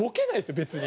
別に。